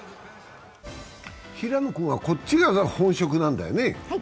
平野君はこっちが本職なんだよね。